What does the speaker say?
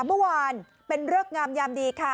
เมื่อวานเป็นเริกงามยามดีค่ะ